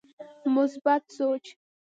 مثبت سوچ